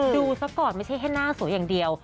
ดูซะก่อนไม่ใช่แค่หน้าสวยอย่างเดียว